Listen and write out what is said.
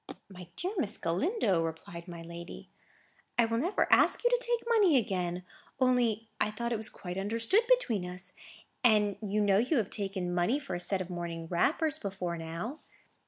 "Dear Miss Galindo," replied my lady, "I will never ask you to take money again. Only I thought it was quite understood between us. And you know you have taken money for a set of morning wrappers, before now."